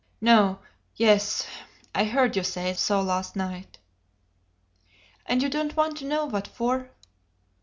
"No yes! I heard you say so last night." "And you don't want to know what for?"